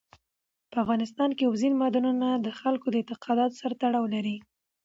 په افغانستان کې اوبزین معدنونه د خلکو د اعتقاداتو سره تړاو لري.